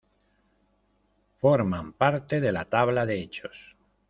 Forman parte de la tabla de hechos.